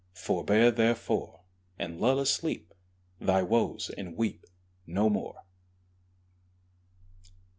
Forbear, therefore, And lull asleep Thy woes, and weep No more.